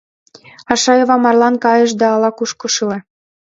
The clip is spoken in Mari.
Ашаева марлан кайыш да ала-кушко шыле.